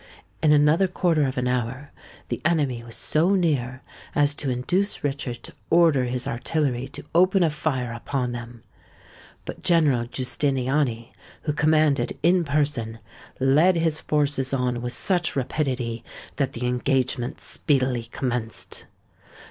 In another quarter of an hour the enemy was so near as to induce Richard to order his artillery to open a fire upon them: but General Giustiniani, who commanded in person, led his forces on with such rapidity, that the engagement speedily commenced.